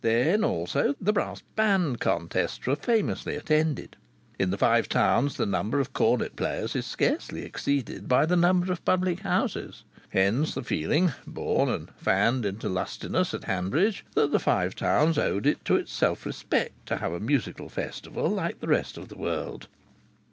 Then also the brass band contests were famously attended. In the Five Towns the number of cornet players is scarcely exceeded by the number of public houses. Hence the feeling, born and fanned into lustiness at Hanbridge, that the Five Towns owed it to its self respect to have a Musical Festival like the rest of the world!